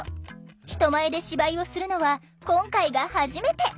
人前で芝居をするのは今回が初めて。